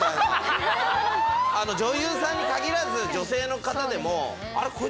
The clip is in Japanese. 女優さんに限らず女性の方でもあれ？